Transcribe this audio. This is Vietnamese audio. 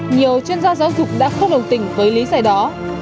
nhiều chuyên gia giáo dục đã khóc lồng tỉnh với lý giải đó